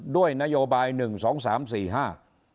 ด้วยนโยบายหนึ่งสองสามสี่ห้า